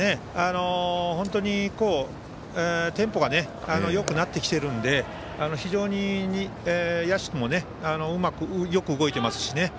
本当に、テンポがよくなってきているので非常に野手もよく動いていますしね。